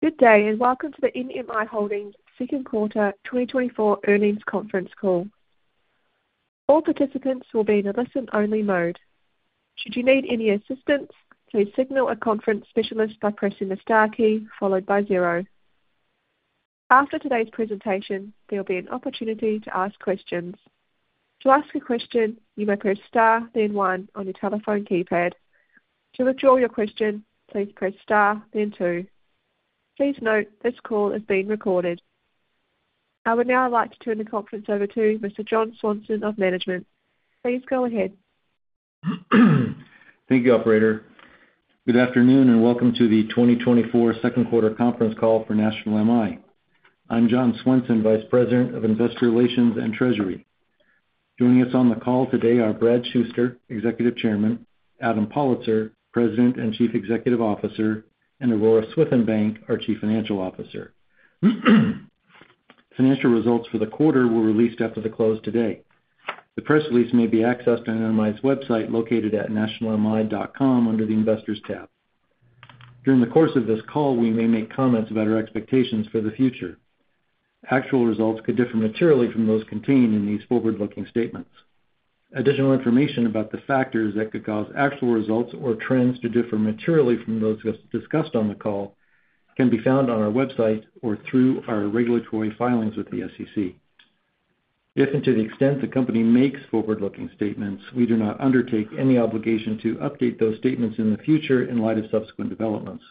Good day, and welcome to the NMI Holdings second quarter 2024 earnings conference call. All participants will be in a listen-only mode. Should you need any assistance, please signal a conference specialist by pressing the star key followed by zero. After today's presentation, there will be an opportunity to ask questions. To ask a question, you may press star, then one on your telephone keypad. To withdraw your question, please press star, then two. Please note, this call is being recorded. I would now like to turn the conference over to Mr. John Swenson of Management. Please go ahead. Thank you, operator. Good afternoon, and welcome to the 2024 second quarter conference call for National MI. I'm John Swenson, Vice President of Investor Relations and Treasury. Joining us on the call today are Brad Shuster, Executive Chairman, Adam Pollitzer, President and Chief Executive Officer, and Aurora Swithenbank, our Chief Financial Officer. Financial results for the quarter were released after the close today. The press release may be accessed on NMI's website, located at nationalmi.com, under the Investors tab. During the course of this call, we may make comments about our expectations for the future. Actual results could differ materially from those contained in these forward-looking statements. Additional information about the factors that could cause actual results or trends to differ materially from those discussed on the call can be found on our website or through our regulatory filings with the SEC. If and to the extent the company makes forward-looking statements, we do not undertake any obligation to update those statements in the future in light of subsequent developments.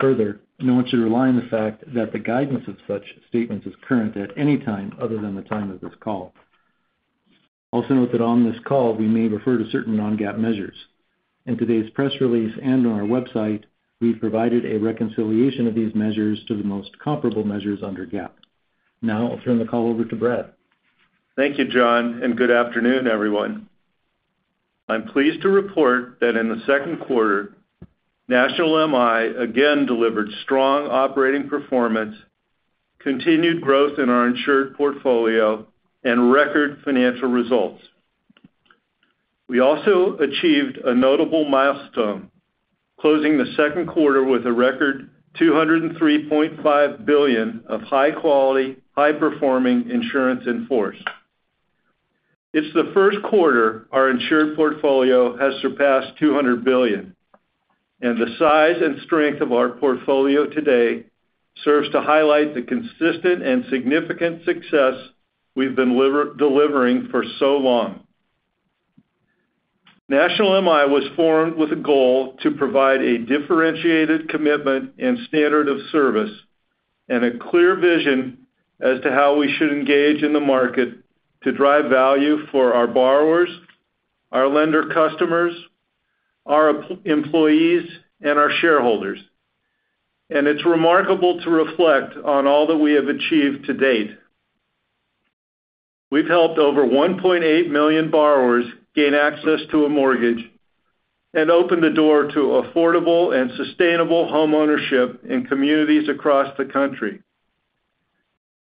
Further, no one should rely on the fact that the guidance of such statements is current at any time other than the time of this call. Also note that on this call, we may refer to certain non-GAAP measures. In today's press release and on our website, we've provided a reconciliation of these measures to the most comparable measures under GAAP. Now I'll turn the call over to Brad. Thank you, John, and good afternoon, everyone. I'm pleased to report that in the second quarter, National MI again delivered strong operating performance, continued growth in our insured portfolio, and record financial results. We also achieved a notable milestone, closing the second quarter with a record 203.5 billion of high-quality, high-performing insurance in force. It's the first quarter our insured portfolio has surpassed 200 billion, and the size and strength of our portfolio today serves to highlight the consistent and significant success we've been delivering for so long. National MI was formed with a goal to provide a differentiated commitment and standard of service and a clear vision as to how we should engage in the market to drive value for our borrowers, our lender customers, our employees, and our shareholders. It's remarkable to reflect on all that we have achieved to date. We've helped over 1.8 million borrowers gain access to a mortgage and opened the door to affordable and sustainable homeownership in communities across the country.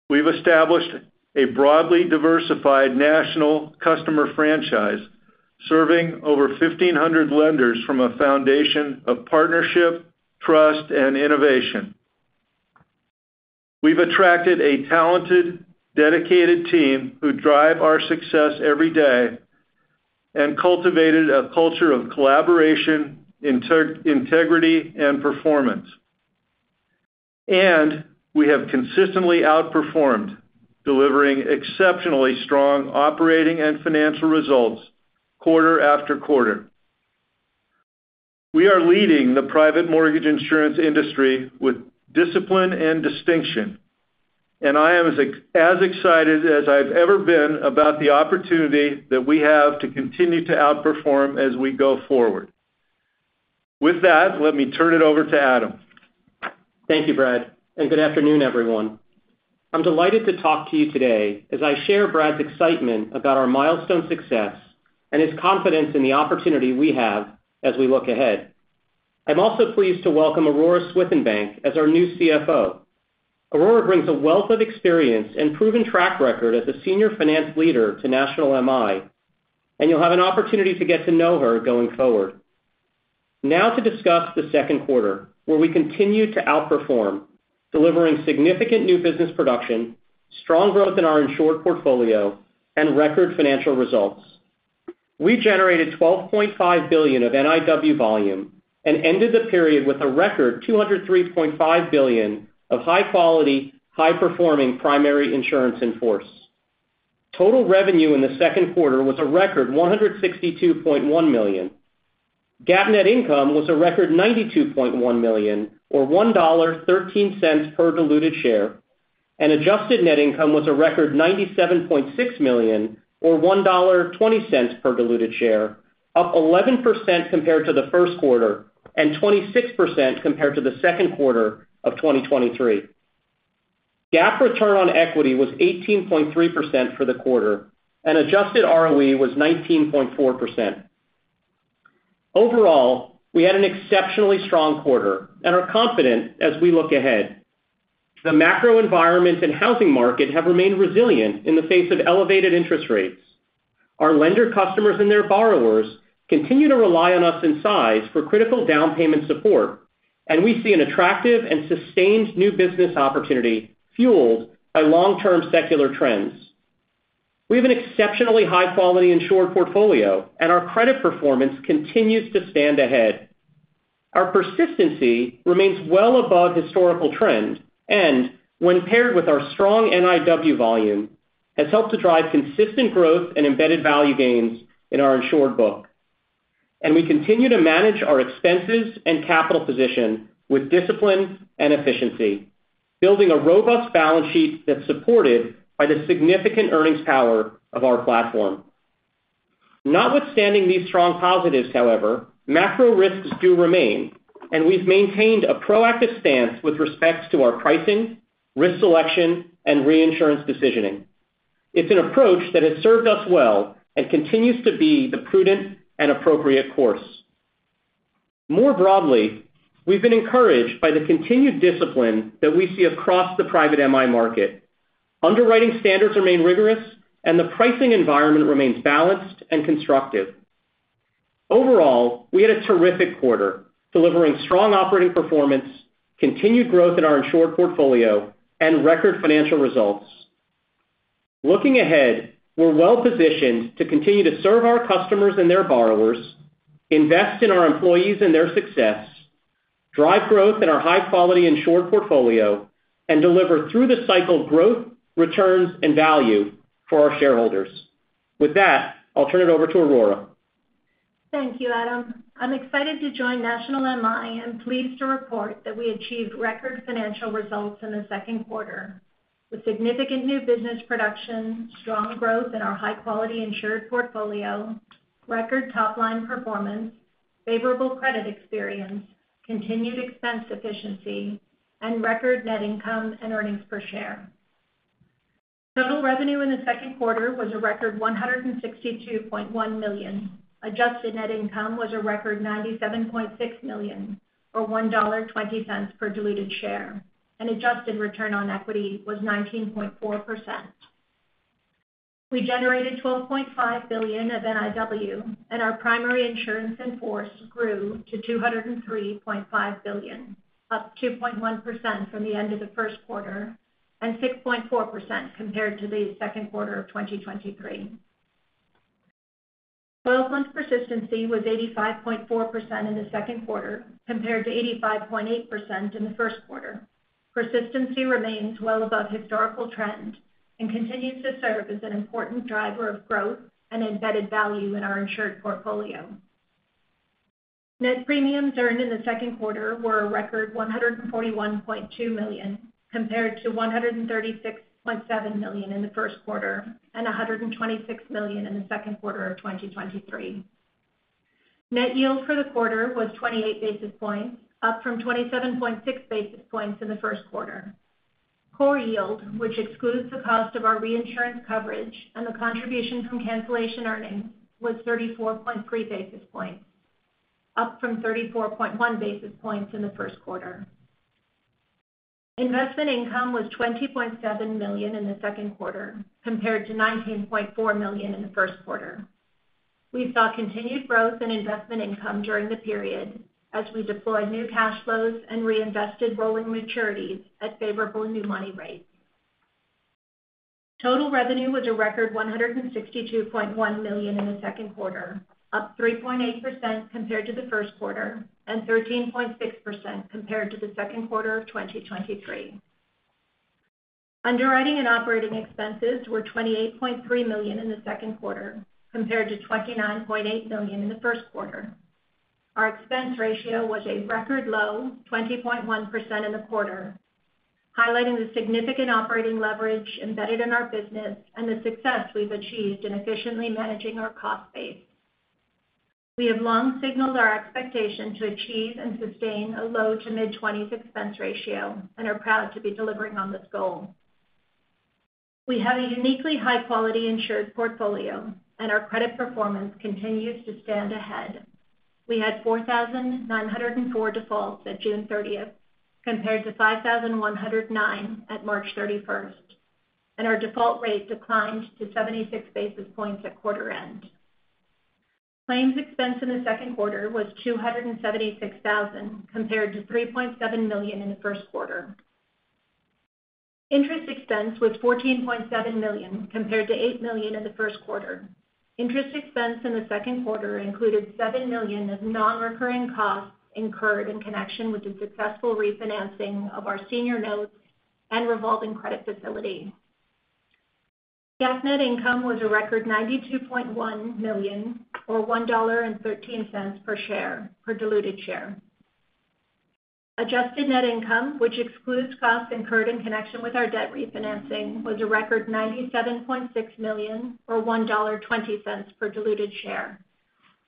We've established a broadly diversified national customer franchise, serving over 1,500 lenders from a foundation of partnership, trust, and innovation. We've attracted a talented, dedicated team who drive our success every day and cultivated a culture of collaboration, integrity, and performance. We have consistently outperformed, delivering exceptionally strong operating and financial results quarter after quarter. We are leading the private mortgage insurance industry with discipline and distinction, and I am as excited as I've ever been about the opportunity that we have to continue to outperform as we go forward. With that, let me turn it over to Adam. Thank you, Brad, and good afternoon, everyone. I'm delighted to talk to you today as I share Brad's excitement about our milestone success and his confidence in the opportunity we have as we look ahead. I'm also pleased to welcome Aurora Swithenbank as our new CFO. Aurora brings a wealth of experience and proven track record as a senior finance leader to National MI, and you'll have an opportunity to get to know her going forward. Now to discuss the second quarter, where we continued to outperform, delivering significant new business production, strong growth in our insured portfolio, and record financial results. We generated $12.5 billion of NIW volume and ended the period with a record $203.5 billion of high quality, high-performing primary insurance in force. Total revenue in the second quarter was a record $162.1 million. GAAP net income was a record $92.1 million, or $1.13 per diluted share, and adjusted net income was a record $97.6 million, or $1.20 per diluted share, up 11% compared to the first quarter and 26% compared to the second quarter of 2023. GAAP return on equity was 18.3% for the quarter, and adjusted ROE was 19.4%. Overall, we had an exceptionally strong quarter and are confident as we look ahead. The macro environment and housing market have remained resilient in the face of elevated interest rates. Our lender customers and their borrowers continue to rely on us in size for critical down payment support, and we see an attractive and sustained new business opportunity fueled by long-term secular trends. We have an exceptionally high-quality insured portfolio, and our credit performance continues to stand ahead. Our persistency remains well above historical trend, and when paired with our strong NIW volume, has helped to drive consistent growth and embedded value gains in our insured book. We continue to manage our expenses and capital position with discipline and efficiency, building a robust balance sheet that's supported by the significant earnings power of our platform. Notwithstanding these strong positives, however, macro risks do remain, and we've maintained a proactive stance with respect to our pricing, risk selection, and reinsurance decisioning. It's an approach that has served us well and continues to be the prudent and appropriate course. More broadly, we've been encouraged by the continued discipline that we see across the private MI market. Underwriting standards remain rigorous, and the pricing environment remains balanced and constructive. Overall, we had a terrific quarter, delivering strong operating performance, continued growth in our insured portfolio, and record financial results. Looking ahead, we're well-positioned to continue to serve our customers and their borrowers, invest in our employees and their success, drive growth in our high-quality insured portfolio, and deliver through the cycle growth, returns, and value for our shareholders. With that, I'll turn it over to Aurora. Thank you, Adam. I'm excited to join National MI and pleased to report that we achieved record financial results in the second quarter, with significant new business production, strong growth in our high-quality insured portfolio, record top-line performance, favorable credit experience, continued expense efficiency, and record net income and earnings per share. Total revenue in the second quarter was a record $162.1 million. Adjusted net income was a record $97.6 million, or $1.20 per diluted share, and adjusted return on equity was 19.4%. We generated $12.5 billion of NIW, and our primary insurance in force grew to $203.5 billion, up 2.1% from the end of the first quarter and 6.4% compared to the second quarter of 2023. 12-month persistency was 85.4% in the second quarter, compared to 85.8% in the first quarter. Persistency remains well above historical trend and continues to serve as an important driver of growth and embedded value in our insured portfolio. Net premiums earned in the second quarter were a record $141.2 million, compared to $136.7 million in the first quarter and $126 million in the second quarter of 2023. Net yield for the quarter was 28 basis points, up from 27.6 basis points in the first quarter. Core yield, which excludes the cost of our reinsurance coverage and the contribution from cancellation earnings, was 34.3 basis points, up from 34.1 basis points in the first quarter. Investment income was $20.7 million in the second quarter, compared to $19.4 million in the first quarter. We saw continued growth in investment income during the period as we deployed new cash flows and reinvested rolling maturities at favorable new money rates. Total revenue was a record $162.1 million in the second quarter, up 3.8% compared to the first quarter and 13.6% compared to the second quarter of 2023. Underwriting and operating expenses were $28.3 million in the second quarter, compared to $29.8 million in the first quarter. Our expense ratio was a record low, 20.1% in the quarter, highlighting the significant operating leverage embedded in our business and the success we've achieved in efficiently managing our cost base. We have long signaled our expectation to achieve and sustain a low- to mid-20s expense ratio and are proud to be delivering on this goal. We have a uniquely high-quality insured portfolio, and our credit performance continues to stand ahead. We had 4,904 defaults at June thirtieth, compared to 5,109 at March thirty-first, and our default rate declined to 76 basis points at quarter end. Claims expense in the second quarter was $276,000, compared to $3.7 million in the first quarter. Interest expense was $14.7 million, compared to $8 million in the first quarter. Interest expense in the second quarter included $7 million of non-recurring costs incurred in connection with the successful refinancing of our senior notes and revolving credit facility. GAAP net income was a record $92.1 million, or $1.13 per diluted share. Adjusted net income, which excludes costs incurred in connection with our debt refinancing, was a record $97.6 million, or $1.20 per diluted share.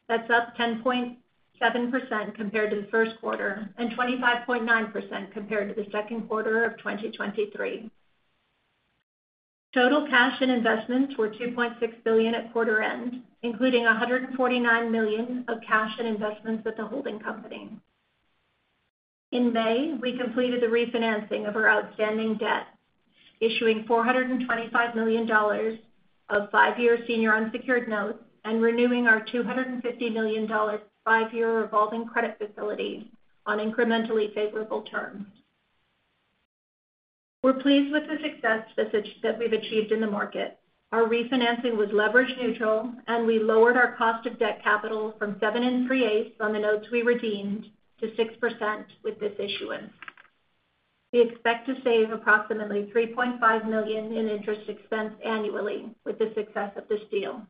That's up 10.7% compared to the first quarter and 25.9% compared to the second quarter of 2023. Total cash and investments were $2.6 billion at quarter end, including $149 million of cash and investments at the holding company. In May, we completed the refinancing of our outstanding debt, issuing $425 million of five-year senior unsecured notes and renewing our $250 million five-year revolving credit facility on incrementally favorable terms. We're pleased with the success this is, that we've achieved in the market. Our refinancing was leverage neutral, and we lowered our cost of debt capital from 7 3/8% on the notes we redeemed to 6% with this issuance. We expect to save approximately $3.5 million in interest expense annually with the success of this deal.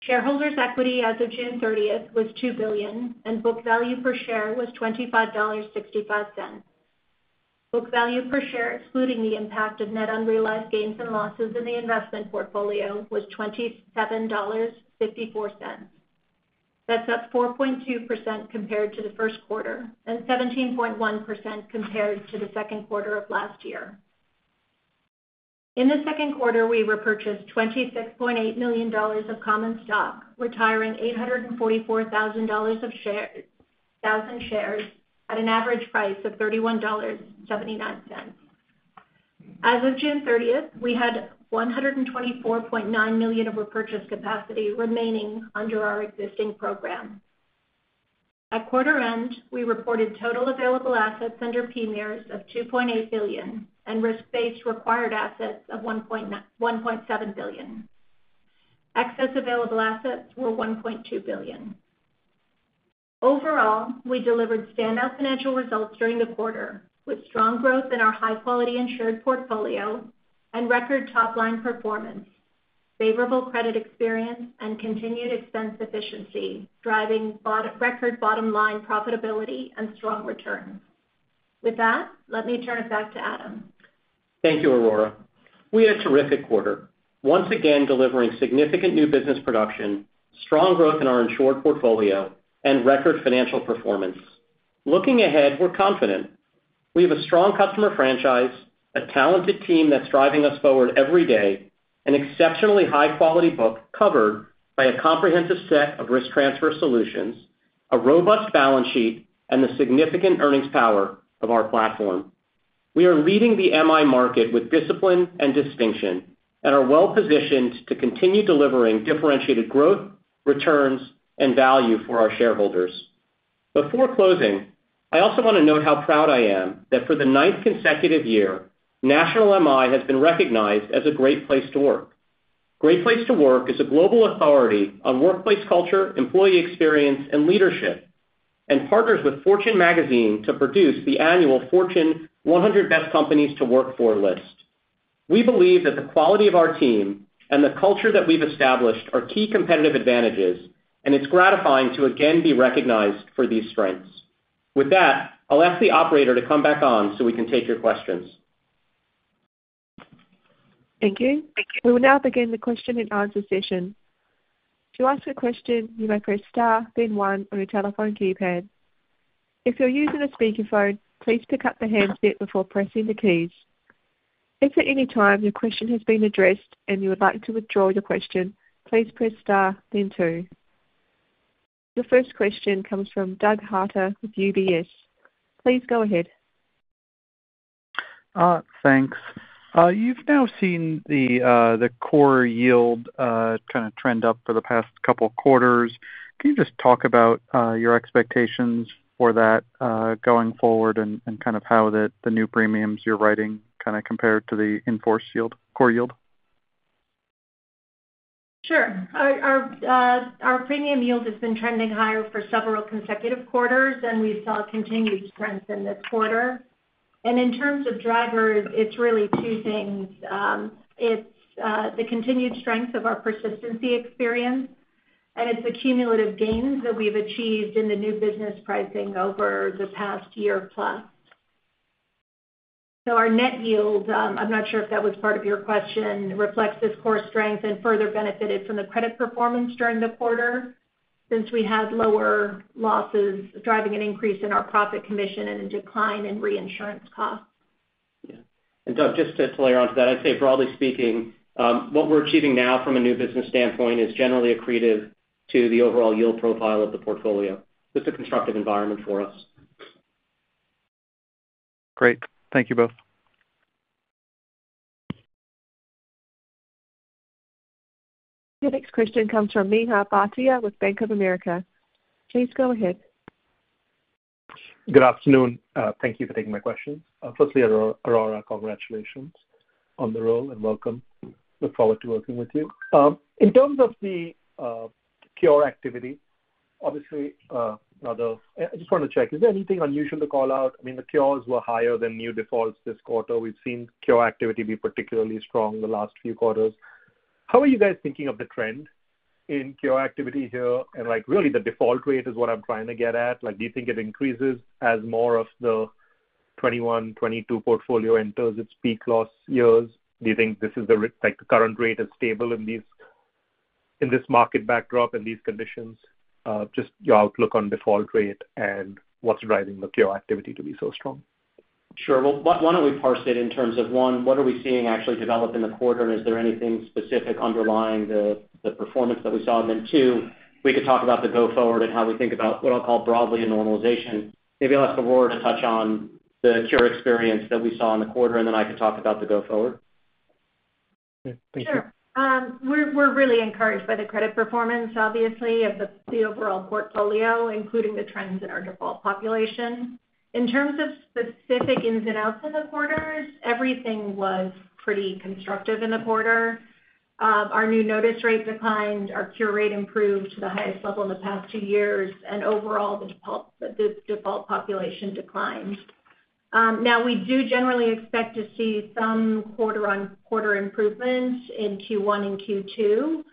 Shareholders' equity as of June thirtieth was $2 billion, and book value per share was $25.65. Book value per share, excluding the impact of net unrealized gains and losses in the investment portfolio, was $27.54. That's up 4.2% compared to the first quarter, and 17.1% compared to the second quarter of last year. In the second quarter, we repurchased $26.8 million of common stock, retiring 844,000 shares at an average price of $31.79. As of June 30, we had $124.9 million of repurchase capacity remaining under our existing program. At quarter end, we reported total available assets under PMIERs of $2.8 billion and risk-based required assets of $1.7 billion. Excess available assets were $1.2 billion. Overall, we delivered standout financial results during the quarter, with strong growth in our high-quality insured portfolio and record top-line performance, favorable credit experience, and continued expense efficiency, driving record bottom line profitability and strong returns. With that, let me turn it back to Adam. Thank you, Aurora. We had a terrific quarter, once again, delivering significant new business production, strong growth in our insured portfolio, and record financial performance. Looking ahead, we're confident. We have a strong customer franchise, a talented team that's driving us forward every day, an exceptionally high-quality book covered by a comprehensive set of risk transfer solutions, a robust balance sheet, and the significant earnings power of our platform. We are leading the MI market with discipline and distinction, and are well-positioned to continue delivering differentiated growth, returns, and value for our shareholders. Before closing, I also want to note how proud I am that for the ninth consecutive year, National MI has been recognized as a Great Place to Work. Great Place to Work is a global authority on workplace culture, employee experience, and leadership, and partners with Fortune magazine to produce the annual Fortune 100 Best Companies to Work For list. We believe that the quality of our team and the culture that we've established are key competitive advantages, and it's gratifying to again be recognized for these strengths. With that, I'll ask the operator to come back on so we can take your questions. Thank you. We will now begin the question-and-answer session. To ask a question, you may press star, then one on your telephone keypad. If you're using a speakerphone, please pick up the handset before pressing the keys. If at any time your question has been addressed and you would like to withdraw your question, please press star then two. Your first question comes from Doug Harter with UBS. Please go ahead. Thanks. You've now seen the core yield kind of trend up for the past couple of quarters. Can you just talk about your expectations for that going forward and kind of how the new premiums you're writing kind of compare to the in-force yield, core yield? Sure. Our premium yield has been trending higher for several consecutive quarters, and we saw continued strength in this quarter. In terms of drivers, it's really two things. It's the continued strength of our persistency experience, and it's the cumulative gains that we've achieved in the new business pricing over the past year plus. Our net yield, I'm not sure if that was part of your question, reflects this core strength and further benefited from the credit performance during the quarter, since we had lower losses, driving an increase in our profit commission and a decline in reinsurance costs. Yeah. And, Doug, just to layer onto that, I'd say, broadly speaking, what we're achieving now from a new business standpoint is generally accretive to the overall yield profile of the portfolio. It's a constructive environment for us. Great. Thank you both. Your next question comes from Mihir Bhatia with Bank of America. Please go ahead. Good afternoon. Thank you for taking my question. Firstly, Aurora, congratulations on the role, and welcome. Look forward to working with you. In terms of the cure activity, obviously, now the... I just want to check, is there anything unusual to call out? I mean, the cures were higher than new defaults this quarter. We've seen cure activity be particularly strong in the last few quarters. How are you guys thinking of the trend in cure activity here? And like, really, the default rate is what I'm trying to get at. Like, do you think it increases as more of the 2021, 2022 portfolio enters its peak loss years? Do you think this is the like, the current rate is stable in these-... In this market backdrop, in these conditions, just your outlook on default rate and what's driving the cure activity to be so strong? Sure. Well, why don't we parse it in terms of, one, what are we seeing actually develop in the quarter, and is there anything specific underlying the performance that we saw? And then, two, we could talk about the go-forward and how we think about what I'll call broadly a normalization. Maybe I'll ask Aurora to touch on the cure experience that we saw in the quarter, and then I can talk about the go forward. Okay. Thank you. Sure. We're really encouraged by the credit performance, obviously, of the overall portfolio, including the trends in our default population. In terms of specific ins and outs of the quarters, everything was pretty constructive in the quarter. Our new notice rate declined, our cure rate improved to the highest level in the past two years, and overall, the default population declined. Now, we do generally expect to see some quarter-on-quarter improvements in Q1 and Q2.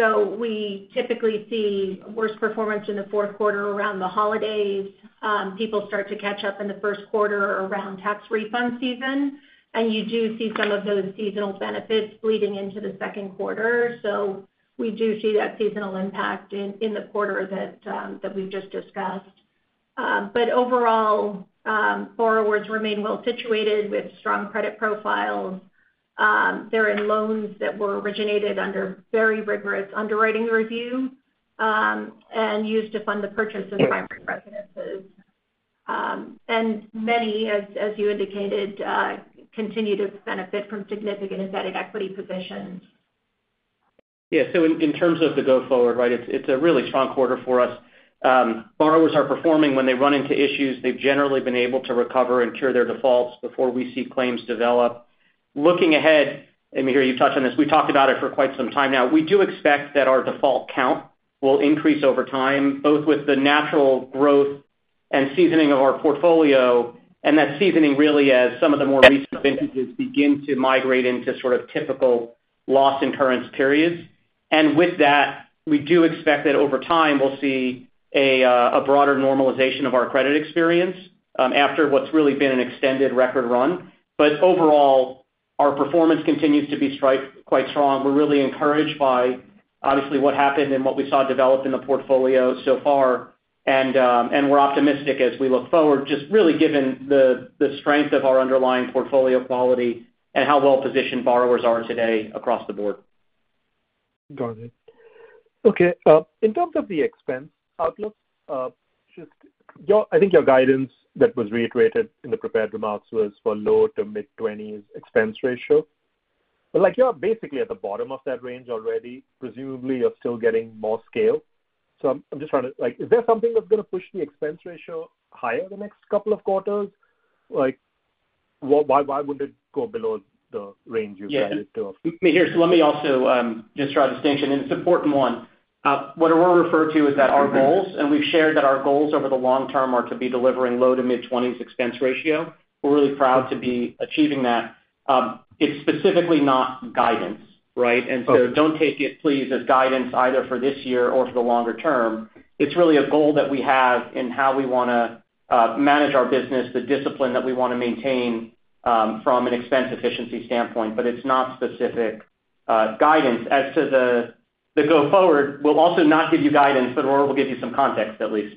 So we typically see worse performance in the fourth quarter around the holidays. People start to catch up in the first quarter around tax refund season, and you do see some of those seasonal benefits bleeding into the second quarter. So we do see that seasonal impact in the quarter that we've just discussed. Overall, borrowers remain well situated with strong credit profiles. They're in loans that were originated under very rigorous underwriting review, and used to fund the purchase of primary residences. Many, as you indicated, continue to benefit from significant substantial equity positions. Yeah, so in terms of the go forward, right, it's a really strong quarter for us. Borrowers are performing. When they run into issues, they've generally been able to recover and cure their defaults before we see claims develop. Looking ahead, and Mihir, you touched on this, we talked about it for quite some time now, we do expect that our default count will increase over time, both with the natural growth and seasoning of our portfolio, and that seasoning, really, as some of the more recent vintages begin to migrate into sort of typical loss incurrence periods. And with that, we do expect that over time, we'll see a broader normalization of our credit experience, after what's really been an extended record run. But overall, our performance continues to be quite strong. We're really encouraged by, obviously, what happened and what we saw developed in the portfolio so far. And we're optimistic as we look forward, just really given the strength of our underlying portfolio quality and how well-positioned borrowers are today across the board. Got it. Okay, in terms of the expense outlook, just your, I think your guidance that was reiterated in the prepared remarks was for low- to mid-20s expense ratio. But, like, you're basically at the bottom of that range already. Presumably, you're still getting more scale. So I'm just trying to, Like, is there something that's going to push the expense ratio higher the next couple of quarters? Like, why, why, why would it go below the range you guided to? Yeah. Mihir, so let me also just draw a distinction, and it's an important one. What Aurora referred to is that our goals, and we've shared that our goals over the long term are to be delivering low- to mid-20s expense ratio. We're really proud to be achieving that. It's specifically not guidance, right? Don't take it, please, as guidance either for this year or for the longer term. It's really a goal that we have in how we wanna manage our business, the discipline that we want to maintain from an expense efficiency standpoint, but it's not specific guidance. As to the go forward, we'll also not give you guidance, but Aurora will give you some context, at least.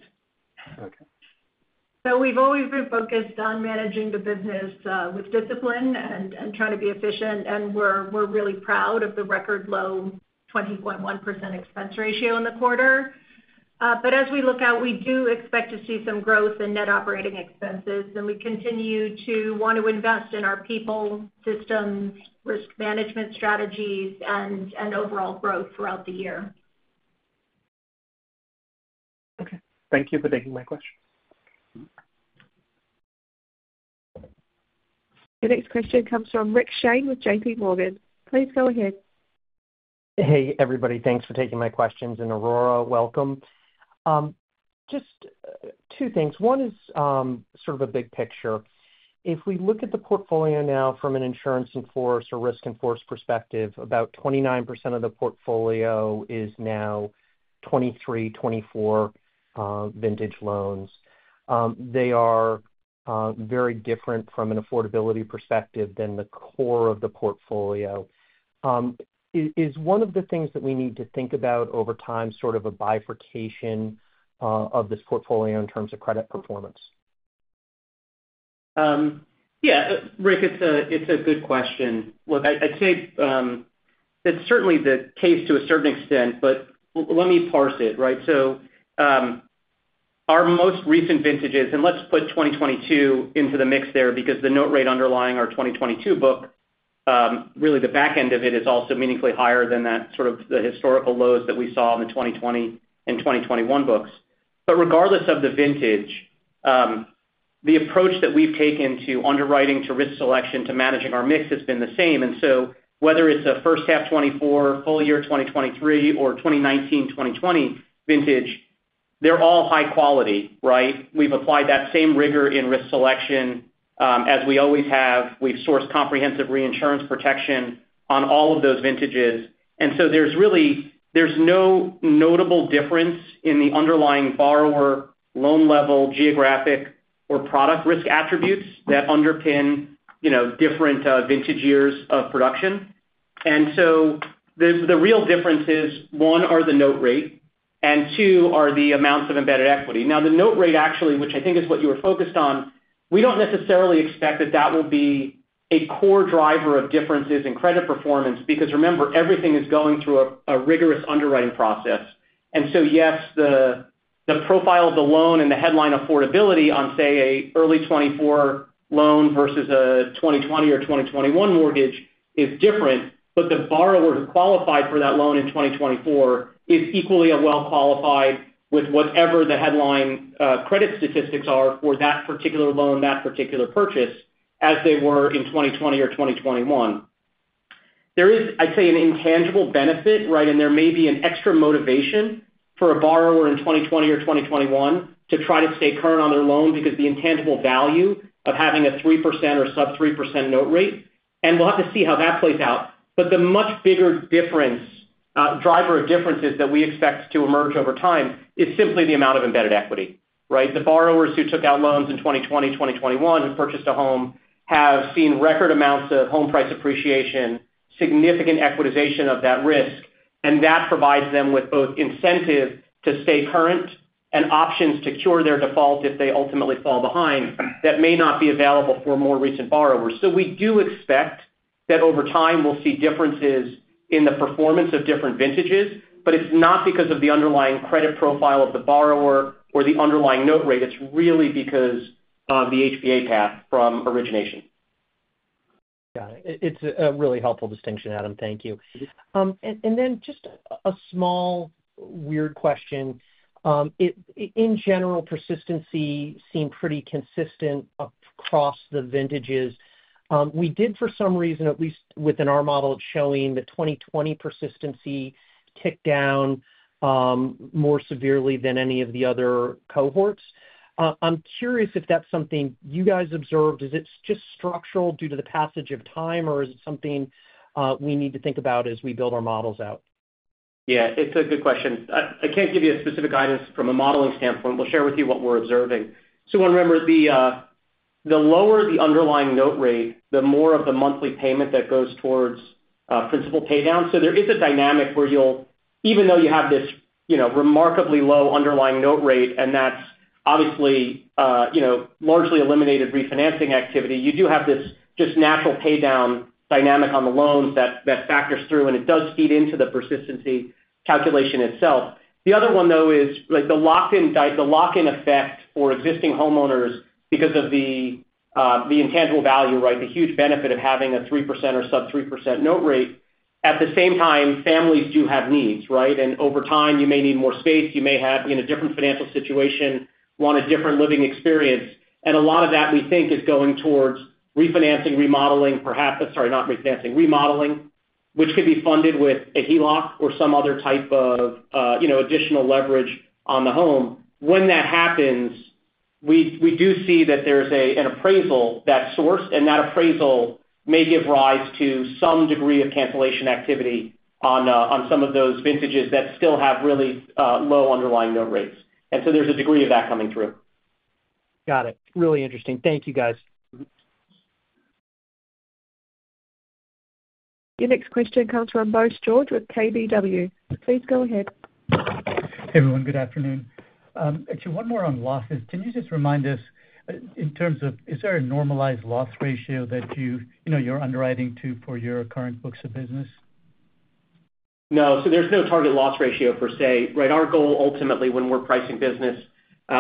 So we've always been focused on managing the business with discipline and trying to be efficient, and we're really proud of the record low 20.1% expense ratio in the quarter. But as we look out, we do expect to see some growth in net operating expenses, and we continue to want to invest in our people, systems, risk management strategies, and overall growth throughout the year. Okay. Thank you for taking my question. The next question comes from Rick Shane with JPMorgan. Please go ahead. Hey, everybody. Thanks for taking my questions, and Aurora, welcome. Just two things. One is, sort of a big picture. If we look at the portfolio now from an insurance in force or risk in force perspective, about 29% of the portfolio is now 2023, 2024 vintage loans. They are very different from an affordability perspective than the core of the portfolio. Is one of the things that we need to think about over time, sort of a bifurcation of this portfolio in terms of credit performance? Yeah, Rick, it's a good question. Look, I'd say that's certainly the case to a certain extent, but let me parse it, right? So, our most recent vintages, and let's put 2022 into the mix there, because the note rate underlying our 2022 book, really the back end of it, is also meaningfully higher than that sort of the historical lows that we saw in the 2020 and 2021 books. But regardless of the vintage, the approach that we've taken to underwriting, to risk selection, to managing our mix, has been the same. And so whether it's a first half 2024, full year 2023, or 2019/2020 vintage, they're all high quality, right? We've applied that same rigor in risk selection, as we always have. We've sourced comprehensive reinsurance protection on all of those vintages. And so there's really no notable difference in the underlying borrower, loan level, geographic or product risk attributes that underpin, you know, different vintage years of production. And so the real difference is, one, are the note rate, and two, are the amounts of embedded equity. Now, the note rate, actually, which I think is what you were focused on, we don't necessarily expect that that will be a core driver of differences in credit performance, because remember, everything is going through a rigorous underwriting process. And so, yes, the profile of the loan and the headline affordability on, say, a early 2024 loan versus a 2020 or 2021 mortgage is different, but the borrower who qualified for that loan in 2024 is equally a well-qualified with whatever the headline credit statistics are for that particular loan, that particular purchase, as they were in 2020 or 2021. There is, I'd say, an intangible benefit, right? And there may be an extra motivation for a borrower in 2020 or 2021 to try to stay current on their loan because the intangible value of having a 3% or sub 3% note rate, and we'll have to see how that plays out. But the much bigger difference, driver of differences that we expect to emerge over time is simply the amount of embedded equity, right? The borrowers who took out loans in 2020, 2021, and purchased a home have seen record amounts of home price appreciation, significant equitization of that risk, and that provides them with both incentive to stay current and options to cure their default if they ultimately fall behind that may not be available for more recent borrowers. So we do expect that over time, we'll see differences in the performance of different vintages, but it's not because of the underlying credit profile of the borrower or the underlying note rate. It's really because of the HPA path from origination. Got it. It's a really helpful distinction, Adam. Thank you. And then just a small, weird question. In general, persistency seemed pretty consistent across the vintages. We did for some reason, at least within our model, it's showing the 2020 persistency ticked down more severely than any of the other cohorts. I'm curious if that's something you guys observed. Is it just structural due to the passage of time, or is it something we need to think about as we build our models out? Yeah, it's a good question. I can't give you a specific guidance from a modeling standpoint. We'll share with you what we're observing. So remember, the lower the underlying note rate, the more of the monthly payment that goes towards principal paydown. So there is a dynamic where you'll even though you have this, you know, remarkably low underlying note rate, and that's obviously, you know, largely eliminated refinancing activity, you do have this just natural paydown dynamic on the loans that factors through, and it does feed into the persistency calculation itself. The other one, though, is like the lock-in effect for existing homeowners because of the intangible value, right? The huge benefit of having a 3% or sub-3% note rate. At the same time, families do have needs, right? Over time, you may need more space, you may have, you know, a different financial situation, want a different living experience. And a lot of that, we think, is going towards refinancing, remodeling, perhaps—sorry, not refinancing, remodeling, which could be funded with a HELOC or some other type of, you know, additional leverage on the home. When that happens, we, we do see that there's a, an appraisal, that source, and that appraisal may give rise to some degree of cancellation activity on, on some of those vintages that still have really, low underlying note rates. And so there's a degree of that coming through. Got it. Really interesting. Thank you, guys. Your next question comes from Bose George with KBW. Please go ahead. Hey, everyone. Good afternoon. Actually, one more on losses. Can you just remind us, in terms of, is there a normalized loss ratio that you, you know, you're underwriting to for your current books of business? No. So there's no target loss ratio per se, right? Our goal, ultimately, when we're pricing business,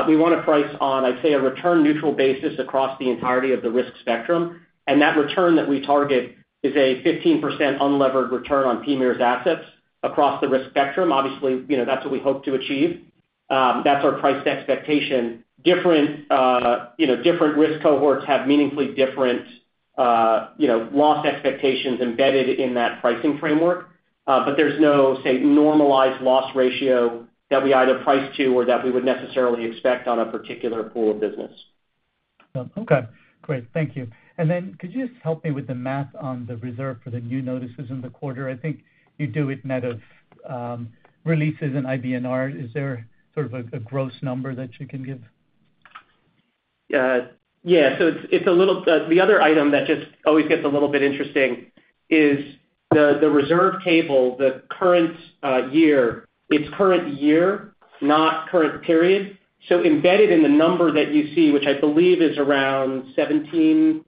we want to price on, I'd say, a return neutral basis across the entirety of the risk spectrum. And that return that we target is a 15% unlevered return on PMIERs assets across the risk spectrum. Obviously, you know, that's what we hope to achieve. That's our priced expectation. Different risk cohorts have meaningfully different loss expectations embedded in that pricing framework. But there's no, say, normalized loss ratio that we either price to or that we would necessarily expect on a particular pool of business. Okay, great. Thank you. And then could you just help me with the math on the reserve for the new notices in the quarter? I think you do it net of releases in IBNR. Is there sort of a gross number that you can give? Yeah. So it's a little... The other item that just always gets a little bit interesting is the reserve table, the current year. It's current year, not current period. So embedded in the number that you see, which I believe is around $17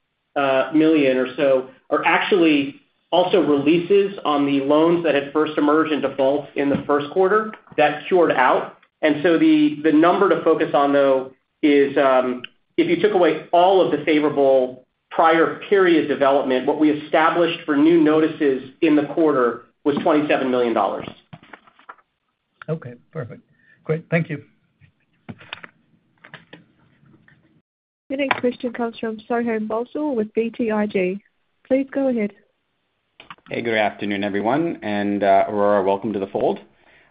million or so, are actually also releases on the loans that had first emerged in default in the first quarter. That's cured out. And so the number to focus on, though, is if you took away all of the favorable prior period development, what we established for new notices in the quarter was $27 million. Okay, perfect. Great. Thank you. Your next question comes from Soham Bhonsle with BTIG. Please go ahead. Hey, good afternoon, everyone, and Aurora, welcome to the fold.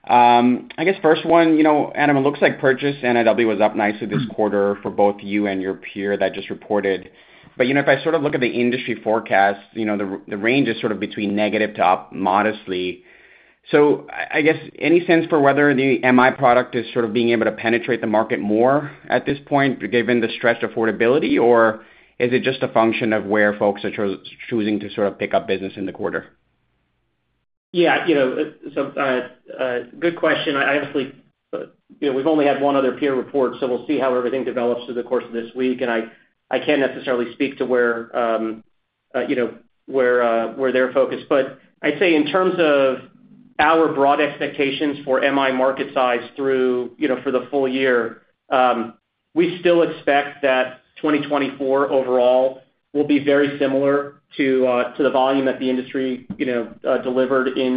I guess first one, you know, Adam, it looks like purchase NIW was up nicely this quarter for both you and your peer that just reported. But, you know, if I sort of look at the industry forecast, you know, the range is sort of between negative to up modestly. So I guess any sense for whether the MI product is sort of being able to penetrate the market more at this point, given the stretched affordability? Or is it just a function of where folks are choosing to sort of pick up business in the quarter? Yeah, you know, so, good question. I honestly, you know, we've only had one other peer report, so we'll see how everything develops through the course of this week. And I can't necessarily speak to where, you know, where they're focused. But I'd say in terms of our broad expectations for MI market size through, you know, for the full year, we still expect that 2024 overall will be very similar to the volume that the industry, you know, delivered in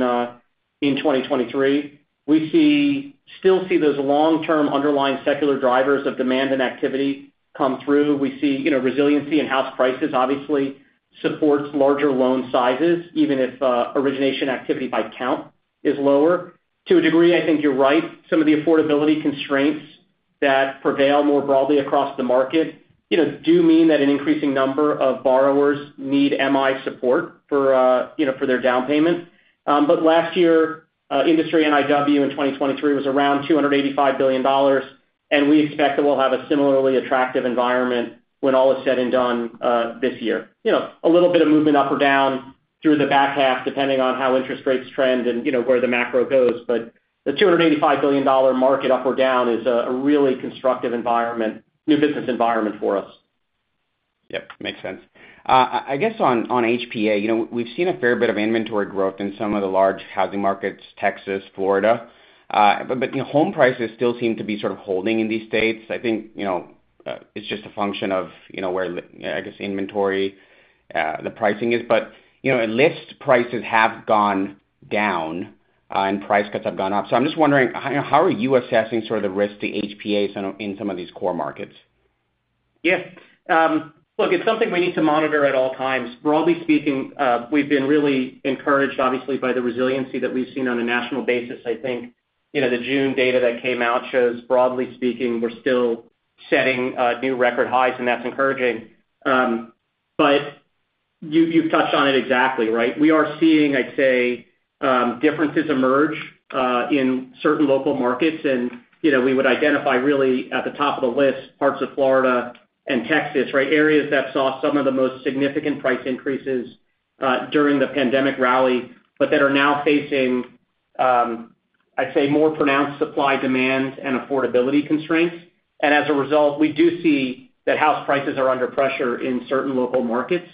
2023. We still see those long-term underlying secular drivers of demand and activity come through. We see, you know, resiliency in house prices obviously supports larger loan sizes, even if origination activity by count is lower. To a degree, I think you're right. Some of the affordability constraints that prevail more broadly across the market, you know, do mean that an increasing number of borrowers need MI support for, you know, for their down payment. But last year, industry NIW in 2023 was around $285 billion, and we expect that we'll have a similarly attractive environment when all is said and done, this year. You know, a little bit of movement up or down through the back half, depending on how interest rates trend and, you know, where the macro goes. But the $285 billion market up or down is a really constructive environment, new business environment for us. Yep, makes sense. I guess on HPA, you know, we've seen a fair bit of inventory growth in some of the large housing markets, Texas, Florida. But, you know, home prices still seem to be sort of holding in these states. I think, you know, it's just a function of, you know, where, I guess, inventory, the pricing is. But, you know, list prices have gone down, and price cuts have gone up. So I'm just wondering, how are you assessing sort of the risk to HPA in some of these core markets? Yeah. Look, it's something we need to monitor at all times. Broadly speaking, we've been really encouraged, obviously, by the resiliency that we've seen on a national basis. I think, you know, the June data that came out shows, broadly speaking, we're still setting new record highs, and that's encouraging. But you, you've touched on it exactly, right? We are seeing, I'd say, differences emerge in certain local markets. And, you know, we would identify really at the top of the list, parts of Florida and Texas, right? Areas that saw some of the most significant price increases during the pandemic rally, but that are now facing, I'd say, more pronounced supply, demand, and affordability constraints. And as a result, we do see that house prices are under pressure in certain local markets.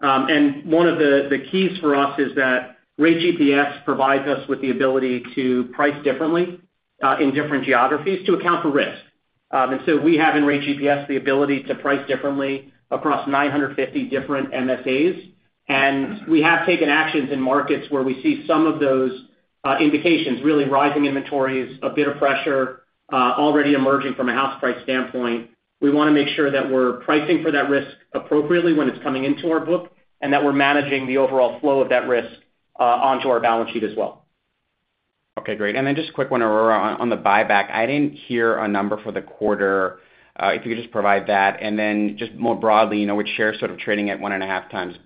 And one of the keys for us is that RateGPS provides us with the ability to price differently in different geographies to account for risk. And so we have in RateGPS the ability to price differently across 950 different MSAs. And we have taken actions in markets where we see some of those indications, really rising inventories, a bit of pressure already emerging from a house price standpoint. We want to make sure that we're pricing for that risk appropriately when it's coming into our book, and that we're managing the overall flow of that risk onto our balance sheet as well. Okay, great. And then just a quick one, Aurora, on the buyback. I didn't hear a number for the quarter. If you could just provide that. And then just more broadly, you know, with shares sort of trading at 1.5x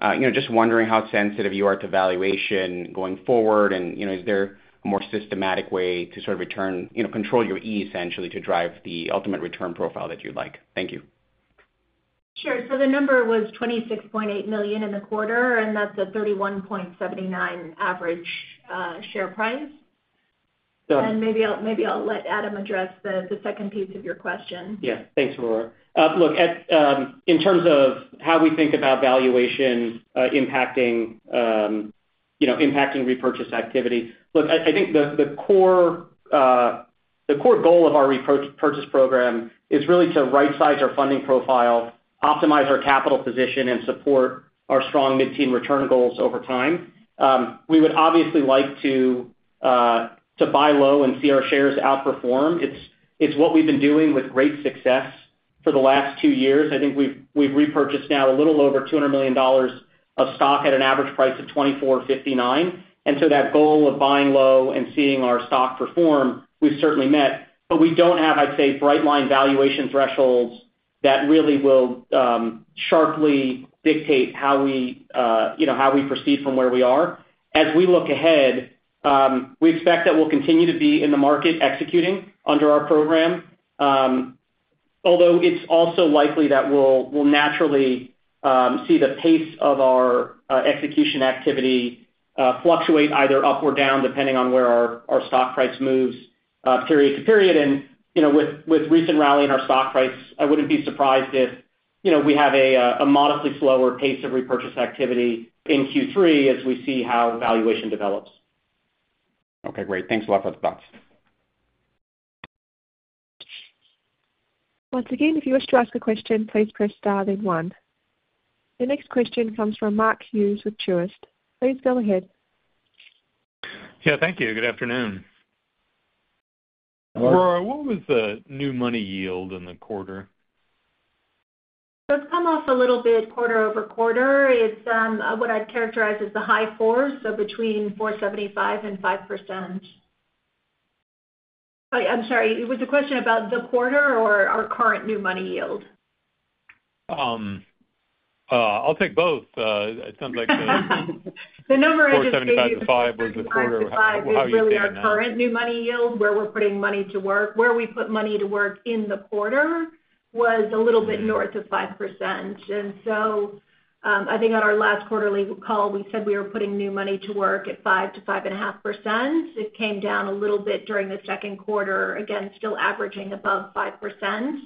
book, you know, just wondering how sensitive you are to valuation going forward. And, you know, is there a more systematic way to sort of return, you know, control your E, essentially, to drive the ultimate return profile that you'd like? Thank you. Sure. So the number was $26.8 million in the quarter, and that's a 31.79 average share price. Maybe I'll let Adam address the second piece of your question. Yeah. Thanks, Aurora. Look, in terms of how we think about valuation impacting you know, impacting repurchase activity. Look, I think the core goal of our repurchase program is really to rightsize our funding profile, optimize our capital position, and support our strong mid-teen return goals over time. We would obviously like to buy low and see our shares outperform. It's what we've been doing with great success for the last two years. I think we've repurchased now a little over $200 million of stock at an average price of $24.59. And so that goal of buying low and seeing our stock perform, we've certainly met. But we don't have, I'd say, bright line valuation thresholds that really will sharply dictate how we, you know, how we proceed from where we are. As we look ahead, we expect that we'll continue to be in the market executing under our program. Although it's also likely that we'll naturally see the pace of our execution activity fluctuate either up or down, depending on where our stock price moves period to period. And, you know, with recent rally in our stock price, I wouldn't be surprised if, you know, we have a modestly slower pace of repurchase activity in Q3 as we see how valuation develops. Okay, great. Thanks a lot for the thoughts. Once again, if you wish to ask a question, please press star then one. The next question comes from Mark Hughes with Truist. Please go ahead. Yeah, thank you. Good afternoon. Hi. Aurora, what was the new money yield in the quarter? So it's come off a little bit quarter-over-quarter. It's what I'd characterize as the high fours, so between 4.75%-5%. I'm sorry, was the question about the quarter or our current new money yield? I'll take both. It sounds like. The number I just gave 4.75%-5% was the quarter. How are you thinking now? Is really our current new money yield, where we're putting money to work. Where we put money to work in the quarter was a little bit north of 5%. So, I think on our last quarterly call, we said we were putting new money to work at 5%-5.5%. It came down a little bit during the second quarter. Again, still averaging above 5%,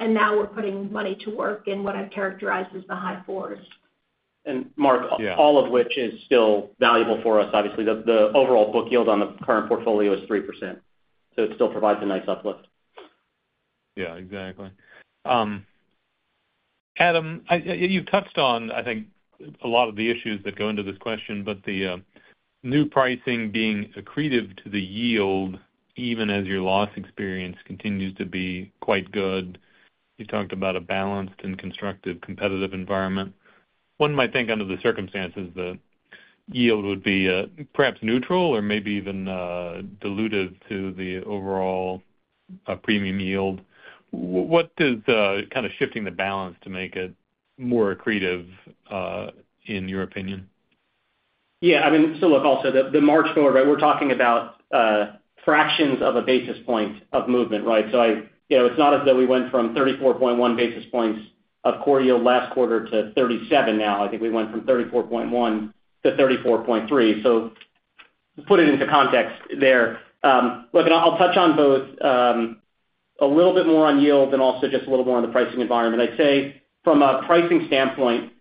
and now we're putting money to work in what I'd characterize as the high fours. And Mark all of which is still valuable for us. Obviously, the overall book yield on the current portfolio is 3%, so it still provides a nice uplift. Yeah, exactly. Adam, you've touched on, I think, a lot of the issues that go into this question, but the new pricing being accretive to the yield, even as your loss experience continues to be quite good. You talked about a balanced and constructive competitive environment. One might think, under the circumstances, the yield would be perhaps neutral or maybe even dilutive to the overall premium yield. What is kind of shifting the balance to make it more accretive in your opinion? Yeah, I mean, so look, also, the, the March quarter, right, we're talking about, fractions of a basis point of movement, right? So you know, it's not as though we went from 34.1 basis points of core yield last quarter to 37 now. I think we went from 34.1 to 34.3. So to put it into context there, look, and I'll touch on both, a little bit more on yield and also just a little more on the pricing environment. I'd say from a pricing standpoint,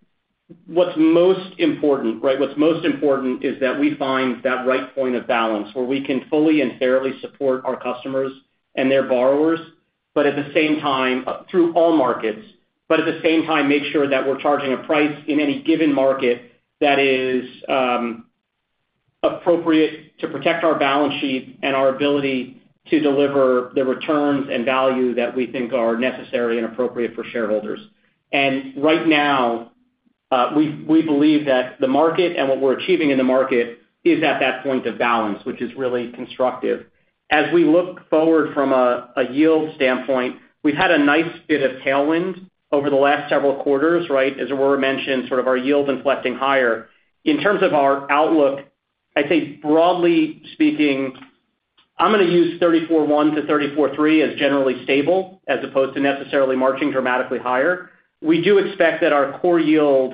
what's most important, right, what's most important is that we find that right point of balance where we can fully and fairly support our customers and their borrowers, but at the same time, through all markets. But at the same time, make sure that we're charging a price in any given market that is appropriate to protect our balance sheet and our ability to deliver the returns and value that we think are necessary and appropriate for shareholders. And right now, we believe that the market and what we're achieving in the market is at that point of balance, which is really constructive. As we look forward from a yield standpoint, we've had a nice bit of tailwind over the last several quarters, right? As Aurora mentioned, sort of our yield inflecting higher. In terms of our outlook, I'd say broadly speaking, I'm gonna use 34.1-34.3 as generally stable, as opposed to necessarily marching dramatically higher. We do expect that our core yield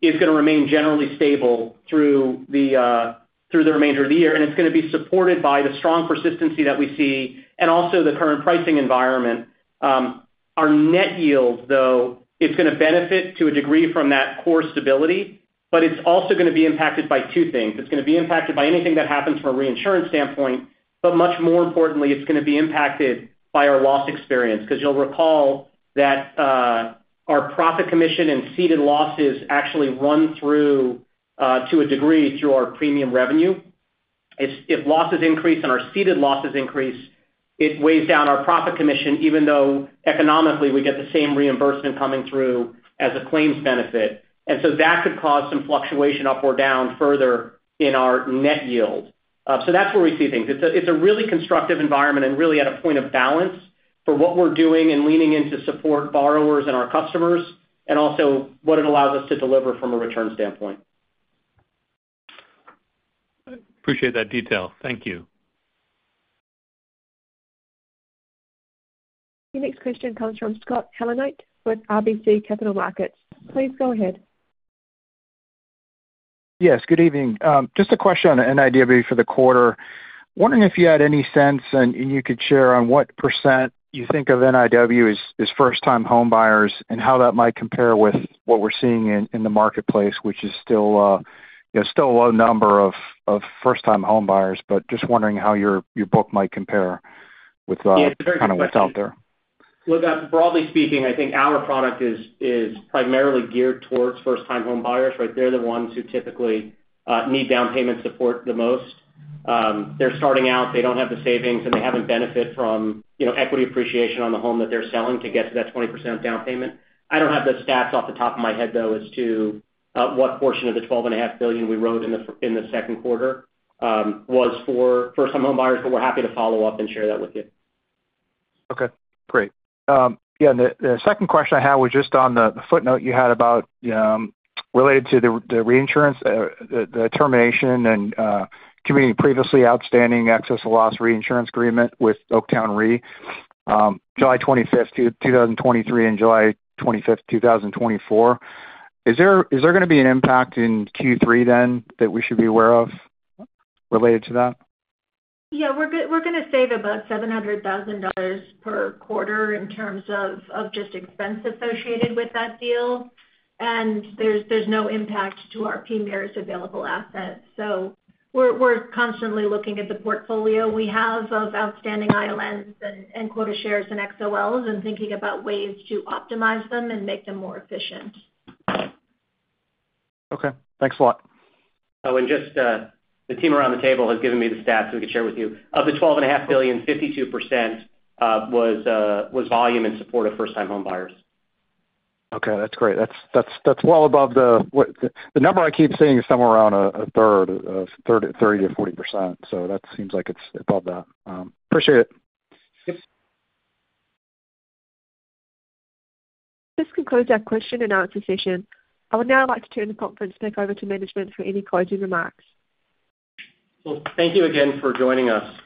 is gonna remain generally stable through the remainder of the year, and it's gonna be supported by the strong persistency that we see and also the current pricing environment. Our net yield, though, it's gonna benefit to a degree from that core stability, but it's also gonna be impacted by two things. It's gonna be impacted by anything that happens from a reinsurance standpoint, but much more importantly, it's gonna be impacted by our loss experience. Because you'll recall that our profit commission and ceded losses actually run through to a degree through our premium revenue. If losses increase and our ceded losses increase, it weighs down our profit commission, even though economically we get the same reimbursement coming through as a claims benefit. And so that could cause some fluctuation up or down further in our net yield. So that's where we see things. It's a really constructive environment and really at a point of balance for what we're doing and leaning in to support borrowers and our customers, and also what it allows us to deliver from a return standpoint. I appreciate that detail. Thank you. Your next question comes from Scott Heleniak with RBC Capital Markets. Please go ahead. Yes, good evening. Just a question on NIW for the quarter. Wondering if you had any sense and you could share on what percent you think of NIW is first-time homebuyers, and how that might compare with what we're seeing in the marketplace, which is still, you know, still a low number of first-time homebuyers. But just wondering how your book might compare with Yeah, great. Kind of what's out there. Look, broadly speaking, I think our product is, is primarily geared towards first-time homebuyers, right? They're the ones who typically need down payment support the most. They're starting out, they don't have the savings, and they haven't benefited from, you know, equity appreciation on the home that they're selling to get to that 20% down payment. I don't have the stats off the top of my head, though, as to what portion of the $12.5 billion we wrote in the second quarter was for first-time homebuyers, but we're happy to follow up and share that with you. Okay, great. Yeah, the second question I had was just on the footnote you had about related to the reinsurance, the termination and committing previously outstanding excess-of-loss reinsurance agreement with Oaktown Re, July 25, 2023 and July 25, 2024. Is there gonna be an impact in Q3 then, that we should be aware of related to that? Yeah, we're gonna save about $700,000 per quarter in terms of just expense associated with that deal. There's no impact to our PMIERs available assets. So we're constantly looking at the portfolio we have of outstanding ILNs and quota shares and XOLs, and thinking about ways to optimize them and make them more efficient. Okay. Thanks a lot. Oh, and just, the team around the table has given me the stats we could share with you. Of the $12.5 billion, 52% was volume in support of first-time homebuyers. Okay, that's great. That's well above the number I keep seeing, which is somewhere around a third, 30%-40%, so that seems like it's above that. Appreciate it. Yes. This concludes our question and answer session. I would now like to turn the conference back over to management for any closing remarks. Well, thank you again for joining us.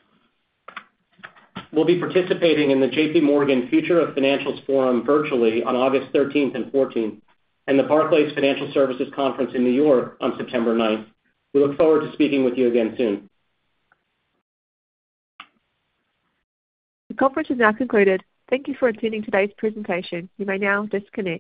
We'll be participating in the JPMorgan Future of Financials forum virtually on August thirteenth and fourteenth, and the Barclays Financial Services Conference in New York on September 9th. We look forward to speaking with you again soon. The conference is now concluded. Thank you for attending today's presentation. You may now disconnect.